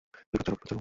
বিপজ্জনক, বিপজ্জনক!